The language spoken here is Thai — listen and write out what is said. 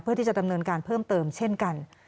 เพื่อที่จะดำเนินการเพิ่มเติมเช่นกัน